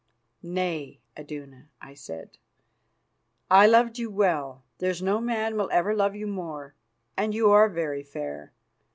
"Nay, Iduna," I said, "I loved you well; there's no man will ever love you more, and you are very fair.